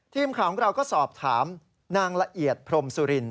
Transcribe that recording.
ทีมข่าวของเราก็สอบถามนางละเอียดพรมสุริน